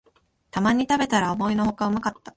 たまに食べたら思いのほかうまかった